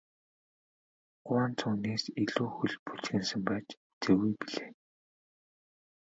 Гуанз үүнээс илүү хөл бужигнасан байж үзээгүй билээ.